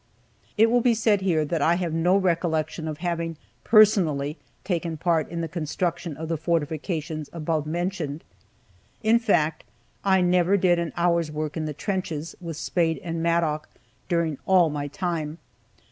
It will be said here that I have no recollection of having personally taken part in the construction of the fortifications above mentioned. In fact, I never did an hour's work in the trenches, with spade and mattock, during all my time.